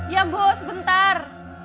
ya bos bentar